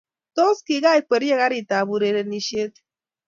Tos, kigaikwerie karitab urerenishet?